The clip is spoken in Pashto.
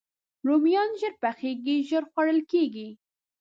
رومیان ژر پخېږي، ژر خوړل کېږي